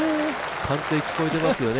歓声、聞こえてますよね